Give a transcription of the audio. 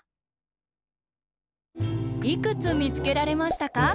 いくつみつけられましたか？